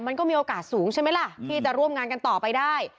มันก็มีโอกาสสูงใช่ไหมล่ะที่จะร่วมงานกันต่อไปได้